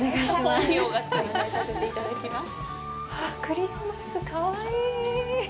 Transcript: あっ、クリスマス、かわいい。